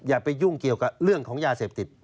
อย่าไปยุ่งเกี่ยวกับเรื่องของยาเสพติด